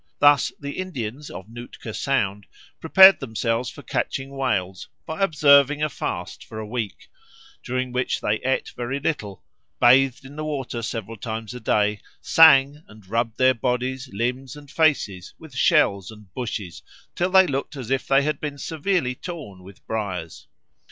Thus the Indians of Nootka Sound prepared themselves for catching whales by observing a fast for a week, during which they ate very little, bathed in the water several times a day, sang, and rubbed their bodies, limbs, and faces with shells and bushes till they looked as if they had been severely torn with briars.